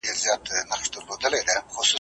په سبا اعتبار نسته که هرڅو ښکاریږي ښکلی ,